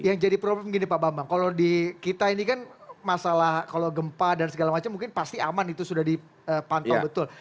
yang jadi problem gini pak bambang kalau di kita ini kan masalah kalau gempa dan segala macam mungkin pasti aman itu sudah dipantau betul